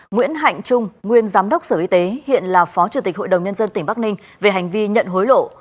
nguyễn thị thanh nhàn nguyên giám đốc sở y tế hiện là phó chủ tịch hội đồng nhân dân tỉnh bắc ninh về hành vi nhận hối lộ